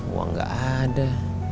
uang gak ada